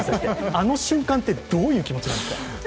あの瞬間ってどういう気持なんですか。